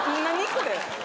これ。